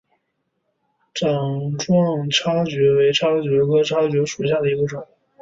掌状叉蕨为叉蕨科叉蕨属下的一个种。